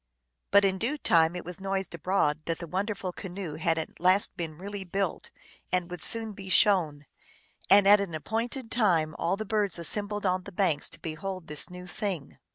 But in due time it was noised abroad that the wonderful canoe had at last been really built, and would soon be shown. And at an appointed time all the birds assembled on the banks to behold this new thing.